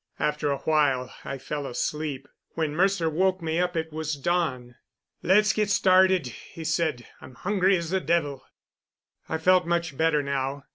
After a while I fell asleep. When Mercer woke me up it was dawn. "Let's get started," he said. "I'm hungry as the devil." I felt much better now.